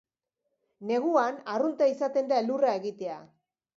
Neguan arrunta izaten da elurra egitea.